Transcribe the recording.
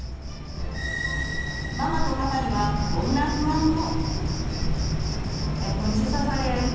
ママとパパにはこんな不安も。